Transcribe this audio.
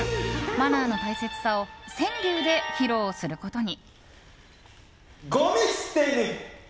マナーの大切さを川柳で披露することに。